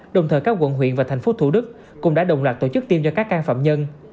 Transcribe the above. đồng thời các quận huyện và thành phố thủ đức cũng đã đồng loạt tổ chức tiêm cho các can phạm nhân